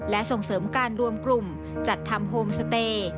และส่งเสริมการรวมกลุ่มจัดทำโฮมสเตย์